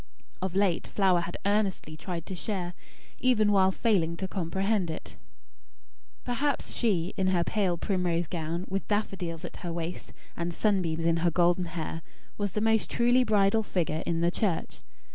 Of late, Flower had earnestly tried to share, even while failing to comprehend, it. Perhaps she, in her pale primrose gown, with daffodils at her waist, and sunbeams in her golden hair, was the most truly bridal figure in the church.